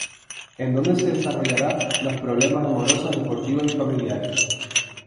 En donde se desarrollara problemas amorosos, deportivos y familiares.